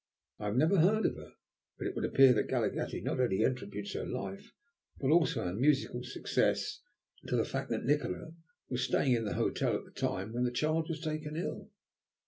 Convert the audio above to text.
I have never heard of her, but it would appear that Galaghetti not only attributes her life, but also her musical success, to the fact that Nikola was staying in the hotel at the time when the child was taken ill.